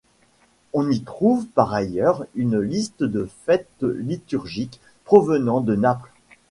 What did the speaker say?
On y trouve par ailleurs une liste de fêtes liturgiques provenant de Naples.